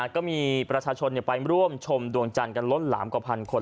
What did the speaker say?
ก็มีประชาชนไปร่วมชมดวงจันทร์กันล้นหลามกว่าพันคน